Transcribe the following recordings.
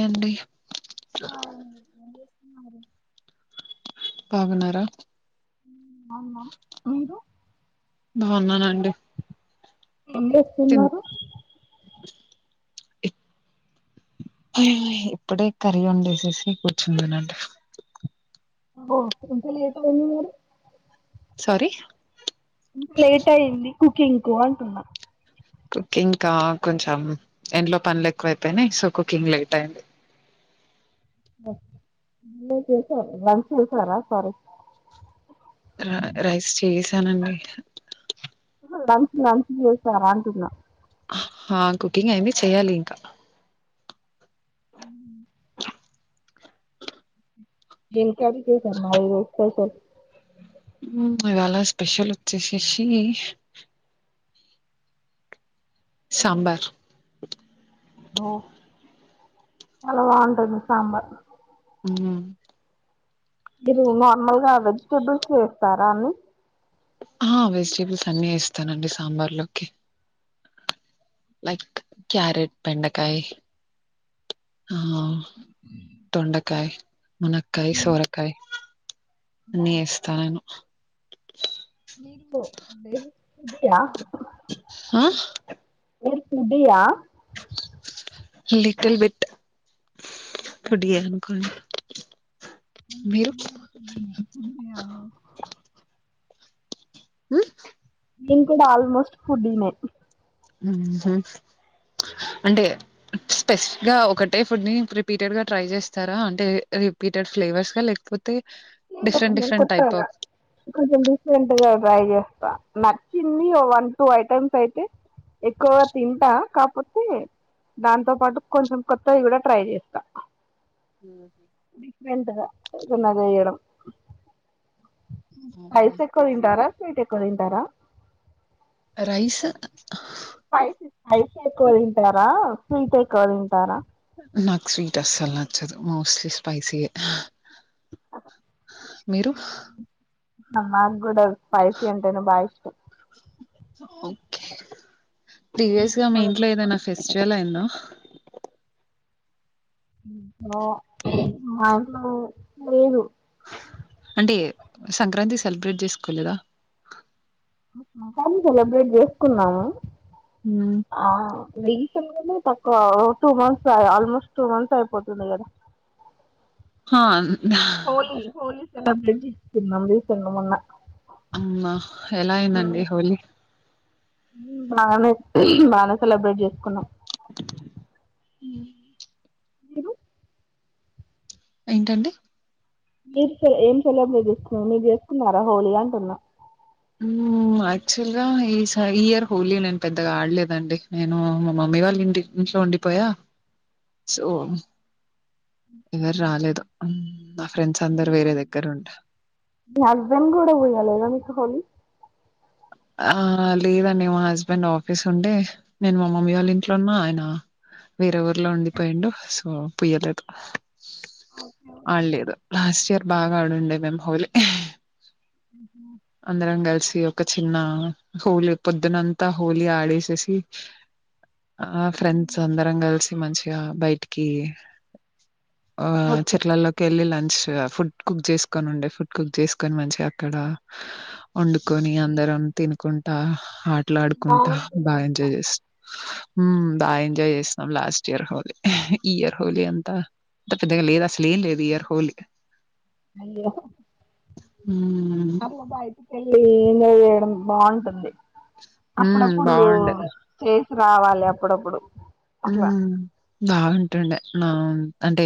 అండి హాయ్ అండి, ఏం చేస్తున్నారు బాగున్నారా ఆ మ్మా మీరు బావున్నానండి ఎం ఇస్తున్నారు ఇప్పుడే కర్రీ వండేసేసి కూర్చుందనంట ఆ ఇంత లే ఏ అరు సారీ ఇం లేట్ అయింది కుకింగ్ కు అంటున్నా కుకింగ్ కా కొంచెం ఎంలో పనులు ఎక్కువ అైపోయినాయి సో కుకింగ్ లేట్ అయింది డిన్నర్ చేసారా లంచ్ చేసారా సారీ తినండి లంచ్ లంచ్ చేశారా అంటున్న హా కుకింగ్ అయ్యింది చేయ్యాలి ఇంకా ఉమ్ లేదు కర్రీ చేశాను ఏం స్పెషల్ ఉమ్ ఇవాళ స్పెషల్ వచ్చేసేసి సాంబార్ ఓ చాలా బాగుంటది సాంబార్ ఉమ్ హు మీరు నార్మల్ గా వెజిటబుల్స్ వేస్తారా అన్ని హా వెజిటేబుల్స్ అన్ని ఏస్తానండి సాంబార్ లోకి లైక్ క్యారెట్ బెండకాయ్ హా తొండకాయ్ మునక్కాయ్ సొరకాయ్ అన్నయ్య ఎస్తా నేను నీళ్లు హా మీరు food yeah little bit food యే అనుకోండి మీరు నేను కూడా ఫుడ్ నే ఫుడ్డీ ఉమ్ నేన్ కూడా ఆల్మోస్ట్ ఫూడ్డినే ఉంహు అంటే స్పెసిఫిక్ గా ఒకటే ఫుడ్ ని రిపీటెడ్ గా ట్రై చేస్తారా అంటే రిపీటెడ్ ఫ్లేవర్స్ గా లేకపో లేదు కొంచెం కొత్తగా కొంచెం డిఫరెంట్ గా ట్రై చేస్తా నచ్చింది వన్ టూ ఐటమ్స్ అయితే ఎక్కువగా తింటా కాకపోతే దాంతో పాటు కొంచెం కొత్తవి కూడా ట్రై చేస్తా డిఫరెట్ గా చేయడం స్పైస్ ఎక్కువ తింటారా స్వీట్ ఎక్కువ తింటారా రైస్ స్పైస్ స్పైసే ఎక్కువ తింటారా స్వీట్ ఎక్కువ తింటారా నాకు స్వీట్ అస్సలు నచ్చదు మోస్ట్లీ స్పైసీయే మీరు నా గ్గూడా స్పైసీ అంటేనే బా ఇష్టం ఓకే ప్రీవియస్ స్వీట్ గా మీ చాలా ఇంట్లో తక్కువ ఏదైనా ఫెస్టివల్ అయిందా మ్మ్ ఆ మా ఇంట్లో లేదు అంటే సంక్రాంతి సెలబ్రేట్ చేసుకోలేదా కానీ సెలబ్రేట్ జేసుకున్నాము ఆ రీసెన్ గానే తక్కువ two months almost two months అయిపోతుంది కదా హ్మ హోలీ హోలీ స్ డబ్బులిచ్చి తిన్నాము కొన్ని మొన్న అమ్మా ఎలా అయిందండి హోలీ మ్మ్ బాగానే బాగానే సెలబ్రేట్ చేసుకున్నాం మ్మ్ మీరు ఏంటండి మీరు సె ఏం సెలబ్రేట్ ఏసుకున్నారు మీరు చేసుకున్నారా హోలీ అంటున్నా మ్మ్ యాక్చువల్ గా ఈ స ఈ ఇయర్ హోలీ నేను పెద్దగా ఆడలేదండి, నేను మా మమ్మీ వాళ్ళ ఇంటి ఇంట్లో ఉండిపోయా సో ఎవరు రాలేదు అమ్ నా ఫ్రెండ్స్ అందరు మీ వేరే హస్బండ్ దగ్గర ఉంట ఆ లేదండి మా హస్బెండ్ ఆఫీస్ ఉండే నేను మా మమ్మీ వాళ్ళ ఇంట్లోన్నా ఆయన వేరే ఊరిలో ఉండిపోయిండు సో పుయ్యలేదు ఆళ్లేదు లాస్ట్ ఇయర్ బాగా ఆడుండే మేమ్ హోలీ అందరం గల్స్ ఒక చిన్న హోలీ పొద్దునంతా హోలీ ఆడేసేసి ఆ ఫ్రెండ్స్ అందరం కలిసి మంచి గ బైటికి ఆ ఓకే చెట్లల్లోకి వెళ్లిలన్ శా ఫుడ్ కుక్ చేసుకొని ఉండే ఫుడ్ కుక్ చేసుకొని మంచిగా అక్కడ వండుకొని అన్ తినుకుంటా హా అట్లాడుకుంటా బాగా ఎంజాయ్ చేస్ బాగా ఎంజాయ్ చేసినాం లాస్ట్ ఇయర్ హోలీ ఈ ఇయర్ హోలీ అంతా అంత పెద్దగా లేదు అసలే ఏం లేదు, ఈ ఇయర్ హోలీ అయ్యో హ్మ్. అలా బయ వెళ్ళలి న చేయడం బాగుంటుంది హ్మ్. అప్పుడప్పుడు బావుండే. చే రావాలి అప్పుడప్పుడు అట్లా బాగుంటుండే ఆ అంటే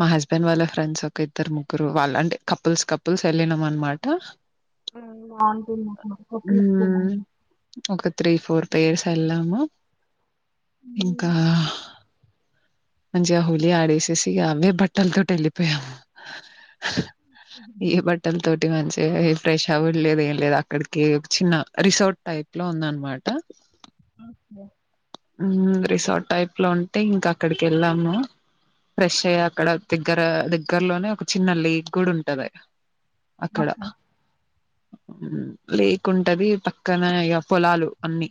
మా హస్బెండ్ వాళ్ళ ఫ్రెండ్స్ ఒక ఇద్దరు ముగ్గురు వాళ్ళు అంటే కపుల్స్ కపుల్స్ ఎళ్ళినం అనమాట అమ్ త్రీ ఫోర్త్ పేర్స్ వెళ్ళాము ఇంకా మంచిగా హోలీ ఆడేసేసి అవే బట్టలతోటి వెళ్ళిపోయాము ఈ బట్టల తోటి మంచి ఫ్రెష్ అవ్వుడు లేదు ఏం లేదు అక్కడికి చిన్న రిసార్ట్ టైప్ లో ఉంద అనమాట అ రిసార్ట్ టైప్ లో ఉంటే ఇంకా అక్కడికి వెళ్ళాము ఫ్రెష్ అయ్యా అక్కడ దగ్గర దగ్గరలోనే ఒక చిన్న లీక్ కూడా ఉంటది అక్కడ ఓకే. లేకుంటది పక్కన ఇగ పొలాలు అన్ని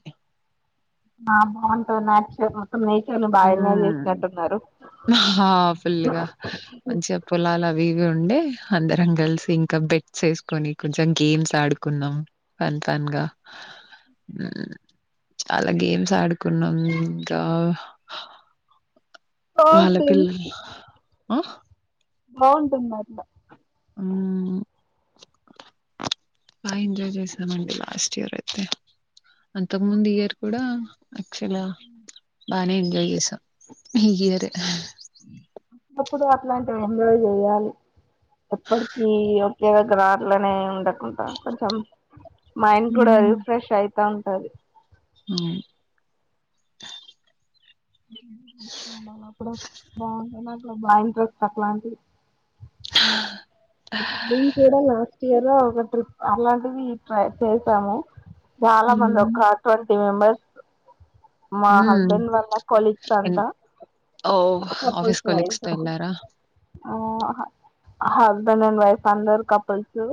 ఆ బాగుంటది నాచురల్ ఆ హా ఫుల్గా మంచిగా పొలాలు అవి ఇవి ఉండే అందరం కలిసి ఇంకా బెట్స్ వేసుకొని కొంచెం గేమ్స్ ఆడుకున్నాం ఫన్ ఫన్గా హ చాలా గేమ్స్ ఆడుకున్నామ్ ఇంకా హ బా స్థాది అహ్ బావుంటది మా అత్త బా ఎంజాయ్ చేసామండి లాస్ట్ ఇయర్ అయితే అంతకు ముందు ఇయర్ కూడా క్చుల్ బానేంది యేస హ అహ్ అప్పుడు అట్లాంటివి ఎంజాయ్ చెయాలి ఎప్పడికీ ఏదో గ్రాట్లనే ఉండకుండా కొంచెం మైండ్ కూడా రిఫ్రెష్ అయితా ఉం అది అ అప్పుడప్పు బాగుంద నా నాక్ బా ఇంట్రెస్ట్ అట్లాది హ్ బీన్ కూడా నా ఇయర్ లో ఒక ట్రిప్ అట్లాంటిది ట్రై చేసాము చాలా మంది హ్మ్. ఒక ట్వంటీ మెంబర్స్ [inaudible] మా హ్మ్. హస్బెండ్ వల్ళ కొలిగ్స్ ఎన్ అంతా ఓహ్! ఒక ఆఫీస్ పుల్స్ కొలీగ్స్‌తో ఎళ్లారా? ఆ అహ్.. హాజ్ హస్బెండ్ అండ్ వైఫ్ అందరు కపుల్సు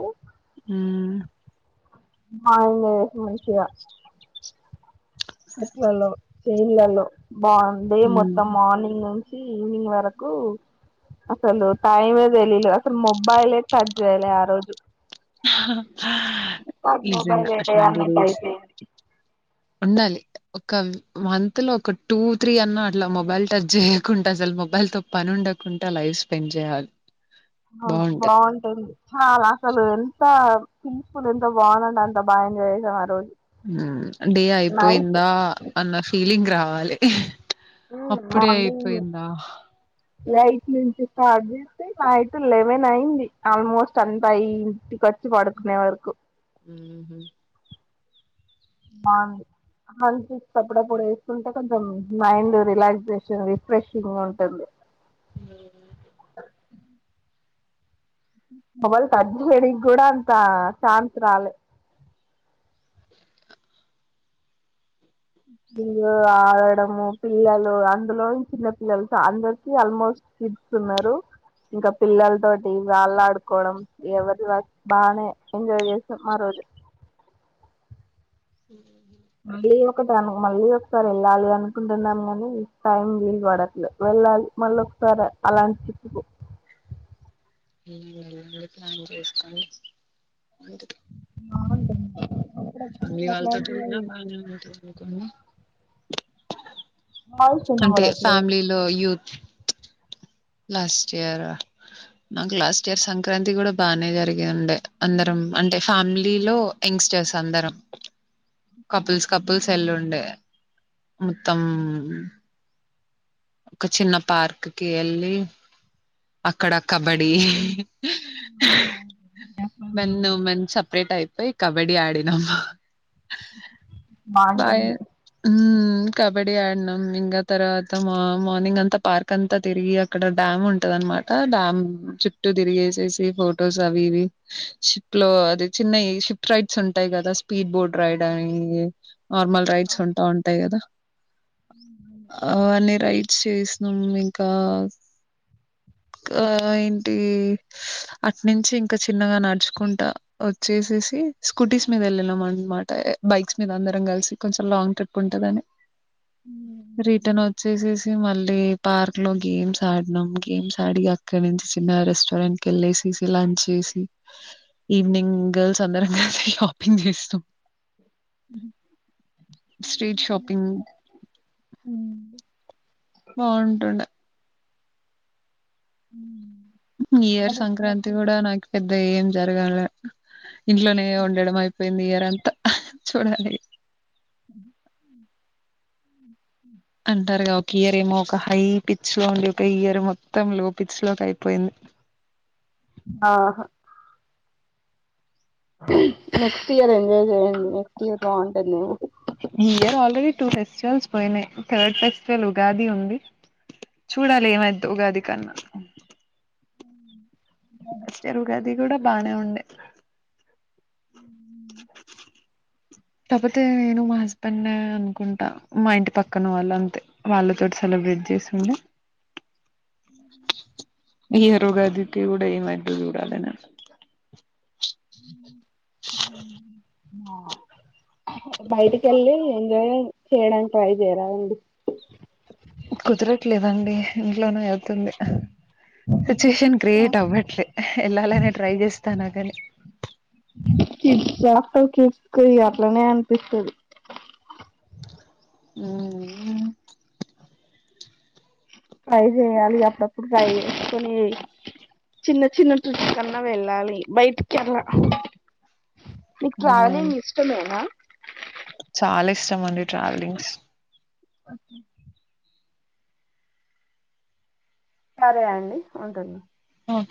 ఉమ్ మయిన్ ఎసి మంచిగా మెట్లల్లో ఛైరళ్లలో బావుంది హ్మ్. మొత్తం మార్నింగ్ నుంచి ఈవినింగ్ వరకు అస్సలు టైమే తెలీయలే అస్సలు ముబ్బాయిలే టచ్ జెయాలి ఆ రోజు అహ్ హా చెప్పక్ నువ్ మొబైల్ ఎటైన్ల్ ఏయ్ డేస్ అయితే ఉండాలి ఒక మంత్లో ఒక టూ త్రీ అన్న అట్లా మొబైల్ టచ్ చేయకుంట అసలు మొబైల్తో పని ఉండకుంట లైఫ్ స్పెండ్ చేయాలి అవును బావుంటది చాలా అసలు ఎంత్ ఎంత పీస్ఫుల్ ఎంతో బాగాంటె అంత బాగా ఎంజాయ్ చేసాం ఆ రోజు ఉమ్ డే అయిపోయిందా అన్న ఫీలింగ్ రావా వాలి.. హ్ ప్చ్ అప్పుడేఅయిపోయిందా ఎయిట్ నుంచి స్టార్ట్ చేస్తే నైట్ లేవేనైంది ఆల్మోస్ట్ అంతా ఇంటికొచ్చి పడుకునే వరకు [inaudible] బావుంది హెల్---అప్పుడప్పుడు వేసుకుంటే కొంచెం మైండ్ రిలాక్సేషన్ రిఫ్రెషింగుంటుంది [inaudible] ఎవల్ టచ్ జేయానికి కూడా అంతా ఛాన్స్ రాలే వీళ్ళు ఆడడం పిల్లలు అందులో చిన్న పిల్లలు తో అందరికి ఆల్మోస్ట్ కిడ్స్ ఉన్నారు ఇంకా పిల్లల తోటి వాళ్ళడుకోవడం ఎవర్ కి వారే బానే ఎంజాయ్ జెసనమ్ ఆ రోజు [inaudible] కొంతాగానమే మళ్ళీ ఒకసారి వెళ్ళాలి అనుకుంటున్నాం గానీ టైం వీల్ పడట్లే వెళ్ళాలి మాల్లోకసారి అలాంటి ట్రిపు కు ఉమ్ వెళ్ళండి ప్లాన్ చేసుకోండి.... ఉంటా తియ్ అవున్లేండి ఆళ్లు మీవాళ్తోటీ పోయిన్రా మావల్తో పోకుండా వాయిస్ కంటే వినబడట్లేదు ఫ్యామిలీ లో యూత్ లాస్ట్ ఇయర్ హ్ నాకు లాస్ట్ ఇయర్ సంక్రాంతి కూడా బానే జరిగిఉండే అందరం అంటే ఫ్యామిలీ లో యాంగ్స్టర్స్ అందరం కపుల్స్ కపుల్స్ ఎల్లుండే మొత్తం మ్ ఒక చిన్న పార్క్ కి వెళ్ళి అక్కడ కబడ్డీ ఇహ్ హ్ హ్హ్.. మెను మెన్స్ సపరేట్ అయిపోయి కబడ్డీ ఆడినం ఉహ్ బాయ్.. బాగుంటుంది ఉమ్ ఉమ్ కబడి ఆడినాం ఇంగా తర్వాత మా మార్నింగ్ అంతా పార్క్ అంతా తిరిగి అక్కడ డ్యామ్ ఉంటదానమాట డ్యామ్ చుట్టూ తిరిగేసేసి ఫొటోస్ అవి ఇవి షిప్ లో అది చిన్నయ్ షిప్ రైడ్స్ ఉంటాయ్ కదా స్పీడ్ బోట్ రైడ్ అని ఉ నార్మల్ రైడ్స్ ఉంటావుంటాయి గదా అ నే ట్స్ చేసినాం ఇంకా ఏంటి అట్నుంచి ఇంకా చిన్నగా నడుచుకుంటా వచ్చేసేసి స్కూటీస్ మీద వెళ్ళినాం అనమాట బైక్స్ మీద అందరం కలిసి కొంచెం లాంగ్ ట్రిప్ ఉంటదని రిటర్న్ చేేసి మళ్ళీ పార్క్ లో గేమ్స్ ఆడినాం గేమ్స్ ఆడి అక్కడి నుంచి చిన్న రెస్టారెంట్ క వెళ్ళేసి లంచ్ చేసి ఈవినింగ్ గర్ల్స్ అందరం కలిసి షాపింగ్ చేస్తాం స్ట్రీట్ షాపింగ్ [inaudible] బాగుంటుండే ఉ ఈయర్ సంక్రాంతి కూడా నాకు పెద్ద ఏం జరగాలె ఇంట్లోనే ఉండడం అయిపోయింది ఇయర్ అంతా చూడలే అంటారుగా ఒక ఇయర్ ఏమో ఒక హై పిక్స్ లో ఉండడి ఒక ఇయర్ మొత్తం లో పిక్స్ లోకి అయిపోయింది ఆహా నెక్స్ట్ ఇయర్ ఏం నెక్స్ట్ ఇయర్ బాగుంటది ఈ ఇయర్ ఆల్రెడీ టూ ఫెస్టివల్స్ పోయినాయి థర్డ్ ఫెస్టివల్ ఉగాది ఉంది చూడాలి ఏమైదో ఉగాది కన్నా [inaudible] ఫస్ట్ ఇయర్ ఉగాది కూడా బానే ఉండే తపోతే నేను మా హస్బెండ్ అనుకుంటా మా ఇంటి పక్కన వాళ్ళు అంతే వాళ్ళతోటి సెలబ్రేట్ చేసిండి ఈ ఇయర్ ఉగాది కూడా ఏమైతదో చూడాలి ఇగ బయటికి వెళ్ళి ఎంజాయ్ చేయడానికి ట్రై చేరాదండి కుదరట్లేదండి ఇంట్లోనే సిచ్యుయేషన్ క్రియేట్ అవ్వట్లే వెళ్ళాలనే ట్రై చేస్తానా కని కిడ్స్ జాట కిడ్స్కి అట్లనే అనిపిస్తుంది మ్ ట్రై చేయాలి అప్పుడప్పుడు ట్రై చేసుకుని చిన్న చిన్న టుట్ కన్నా వెళ్ళాలి బయటికి అలా మీకు ట్రావెలింగ్ ఇష్టమేనా చాలా ఇష్టం అండి. ట్రావెలింగ్స్ అకే సరే అండి ఉంటుంది. ఓకే